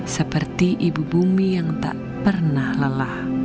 seperti ibu bumi yang tak pernah lelah